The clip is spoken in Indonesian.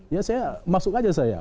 ya saya masuk aja saya